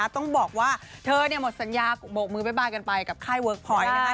ต้องบอกว่าเธอเนี่ยโหมดสัญญาบวกมือไปบ้านกันไปกับค่ายเวิร์กพอยต์